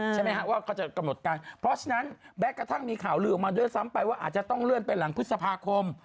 ใช่ไหมฮะว่าเขาจะกำหนดการเพราะฉะนั้นแม้กระทั่งมีข่าวลือออกมาด้วยซ้ำไปว่าอาจจะต้องเลื่อนไปหลังพฤษภาคม